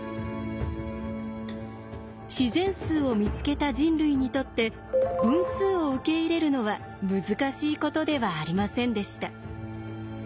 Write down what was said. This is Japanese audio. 自然数を見つけた人類にとって分数を受け入れるのは難しいことではありませんでした。